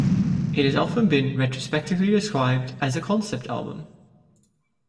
It has often been retrospectively described as a concept album.